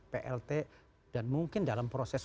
plt dan mungkin dalam proses